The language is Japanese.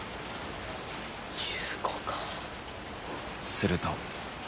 すると。